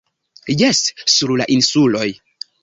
Jes, sur la insuloj.